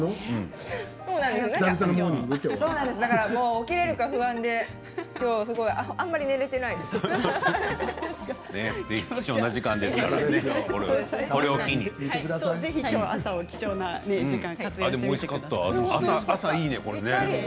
起きられるか不安であんまり、きょうは寝られていないです。